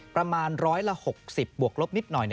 ประมาณร้อยละ๖๐บวกลบนิดหน่อย